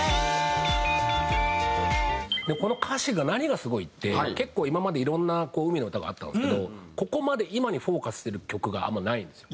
この歌詞が何がすごいって結構今までいろんな海の歌があったんですけどここまで今にフォーカスしてる曲があんまりないんですよ。